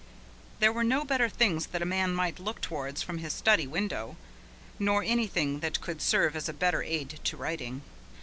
There were no better things that a man might look towards from his study window, nor anything that could serve as a better aid to writing.